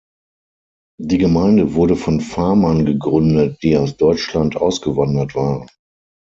Die Gemeinde wurde von Farmern gegründet, die aus Deutschland ausgewandert waren.